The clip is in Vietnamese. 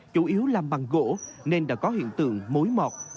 chủ yếu làm bằng gỗ nên đã có hiện tượng mối mọt